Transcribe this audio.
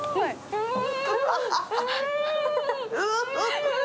うん！